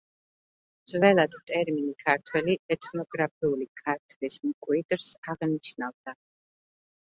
ძველად ტერმინი „ქართველი“ ეთნოგრაფიული „ქართლის“ მკვიდრს აღნიშნავდა.